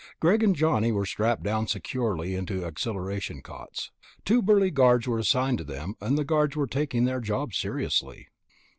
Greg and Johnny were strapped down securely into accelleration cots. Two burly guards were assigned to them, and the guards were taking their job seriously.